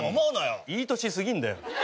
いい年すぎるんだよ